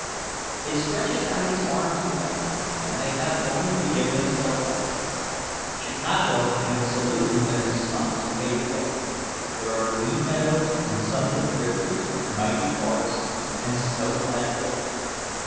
It stretches out its arms to them, they have only to give themselves up. Chicago and its saloons and its slums fade away—there are green meadows and sunlit rivers, mighty forests and snow clad hills.